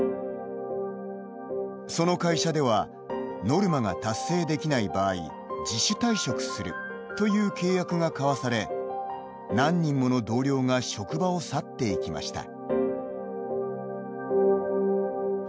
その会社ではノルマが達成できない場合自主退職するという契約が交わされ何人もの同僚が職場を去っていきました。